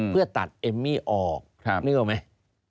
เพื่อตัดเอมมี่ออกนึกออกไหม